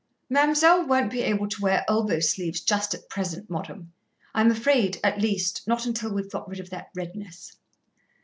"Mam'selle won't be able to wear elbow sleeves just at present, Móddam, I'm afraid at least, not until we've got rid of that redness."